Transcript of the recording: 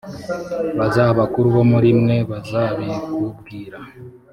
baza abakuru bo muri mwe, bazabikubwira: